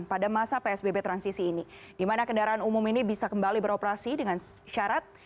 pada masa psbb transisi ini di mana kendaraan umum ini bisa kembali beroperasi dengan syarat